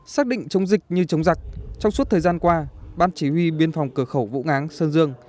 xác định chống dịch như chống giặc trong suốt thời gian qua ban chỉ huy biên phòng cửa khẩu vũng áng sơn dương